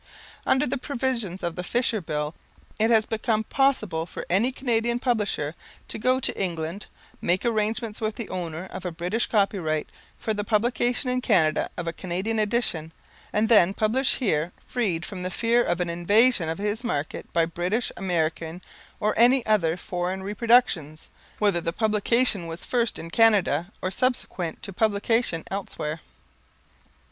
Under the provisions of the Fisher Bill, it has become possible for any Canadian publisher to go to England, make arrangements with the owner of a British copyright for the publication in Canada of a Canadian edition, and then publish here freed from the fear of an invasion of his market by British, American, or any other foreign reproductions, whether the publication was first in Canada or subsequent to publication elsewhere.